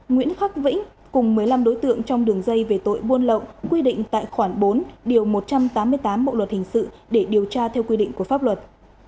nguyễn khắc vĩnh cùng một mươi năm đối tượng trong đường dây về tội buôn lậu quy định tại khoản bốn điều một trăm tám mươi tám bộ luật hình sự để điều tra theo quy định của pháp luật